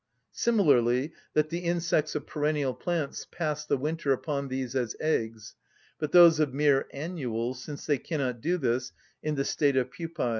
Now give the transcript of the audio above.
Similarly, that the insects of perennial plants pass the winter upon these as eggs; but those of mere annuals, since they cannot do this, in the state of pupæ.